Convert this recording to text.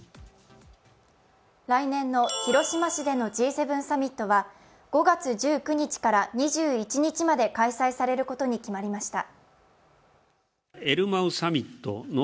来年の広島市でのＧ７サミットは５月１９日から２１日まで開催されることに決まりました。